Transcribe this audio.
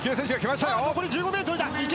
残り１５ｍだ！